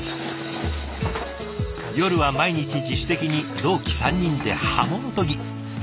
夜は毎日自主的に同期３人で刃物研ぎ。